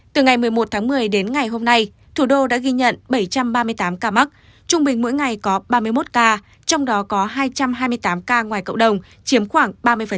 từ ngày một mươi một tháng một mươi đến ngày hôm nay thủ đô đã ghi nhận bảy trăm ba mươi tám ca mắc trung bình mỗi ngày có ba mươi một ca trong đó có hai trăm hai mươi tám ca ngoài cộng đồng chiếm khoảng ba mươi